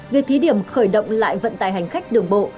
việc thí điểm khởi động lại vận tài hành khách đường bộ